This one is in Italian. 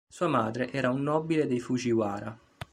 Sua madre era una nobile dei Fujiwara.